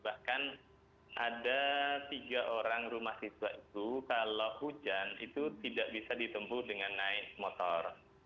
bahkan ada tiga orang rumah siswa itu kalau hujan itu tidak bisa ditempuh dengan naik motor